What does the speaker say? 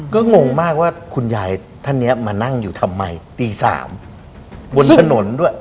ก็งงมากว่าคุณยายท่านนี้มานั่งอยู่ทำไมตี๓บนถนนด้วย